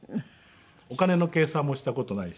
お金の計算もした事ないし。